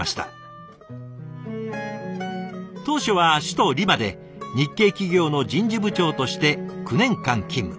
当初は首都リマで日系企業の人事部長として９年間勤務。